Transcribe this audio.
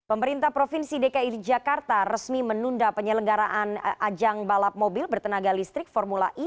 pemerintah provinsi dki jakarta resmi menunda penyelenggaraan ajang balap mobil bertenaga listrik formula e